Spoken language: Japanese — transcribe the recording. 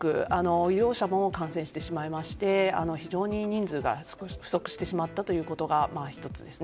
医療者も感染してしまいまして非常に人数が不足してしまったことが１つですね。